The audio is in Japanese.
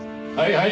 はい